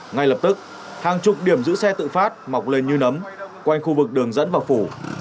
ngay lập tức hàng chục điểm giữ xe tự phát mọc lên như nấm quanh khu vực đường dẫn vào phủ